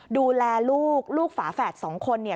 ดูแลลูกลูกฝาแฝดสองคนเนี่ย